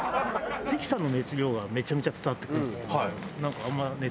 関さんの熱量はめちゃめちゃ伝わってくるんですけどなんかあんま熱量が。